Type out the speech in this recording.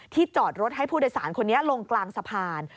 จอดรถให้ผู้โดยสารคนนี้ลงกลางสะพาน